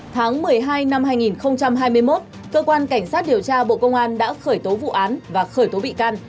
tháng một mươi hai năm hai nghìn hai mươi một cơ quan cảnh sát điều tra bộ công an đã khởi tố vụ án và khởi tố bị can